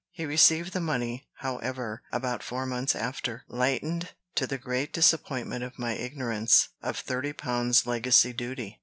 He received the money, however, about four months after; lightened, to the great disappointment of my ignorance, of thirty pounds legacy duty.